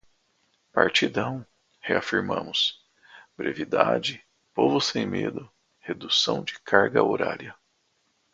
Partidão, reafirmamos, brevidade, Povo Sem Medo, redução da carga horária